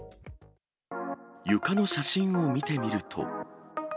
床の写真を見てみると。